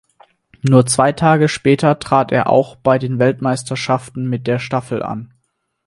Nur zwei Tage später trat er auch bei den Weltmeisterschaften mit der Staffel an.